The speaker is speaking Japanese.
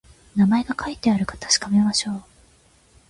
名前が書いてあるか確かめましょう